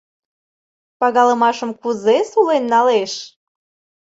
Пагалымашым кузе сулен налеш?